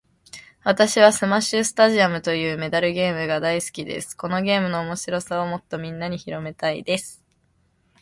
私はスマッシュスタジアムというメダルゲームが大好きです。このゲームの面白さをもっとみんなに広めたいです。